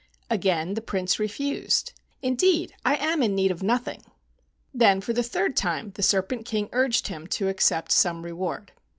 Again the Prince refused. "Indeed, I am in need of nothing." Then for the third time the Serpent King urged him to accept some reward.